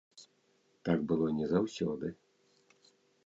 Так было не заўсёды.